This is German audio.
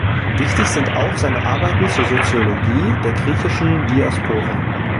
Wichtig sind auch seine Arbeiten zur Soziologie der griechischen Diaspora.